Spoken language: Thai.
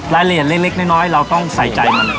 รายละเอียดเล็กน้อยเราต้องใส่ใจมัน